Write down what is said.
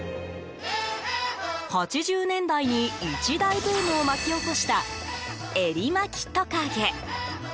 ８０年代に一大ブームを巻き起こした、エリマキトカゲ。